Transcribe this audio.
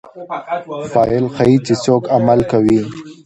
فاعل ښيي، چي څوک عمل کوي.